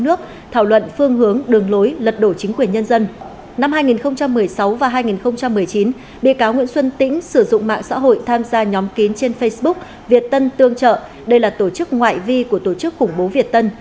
năm hai nghìn một mươi sáu và hai nghìn một mươi chín bị cáo nguyễn xuân tĩnh sử dụng mạng xã hội tham gia nhóm kín trên facebook việt tân tương trợ đây là tổ chức ngoại vi của tổ chức khủng bố việt tân